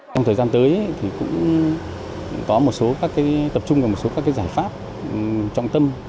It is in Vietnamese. trong thời gian tới thì cũng tập trung vào một số các giải pháp trọng tâm